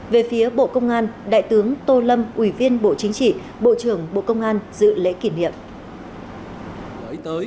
về phía bộ công an đại tướng tô lâm ủy viên bộ chính trị bộ trưởng bộ công an dự lễ kỷ niệm